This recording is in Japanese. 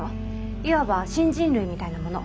いわば新人類みたいなもの。